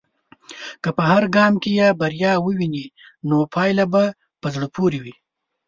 که په هر ګام کې بریا ووینې، نو پايله به په زړه پورې وي.